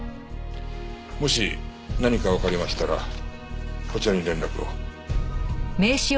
もし何かわかりましたらこちらに連絡を。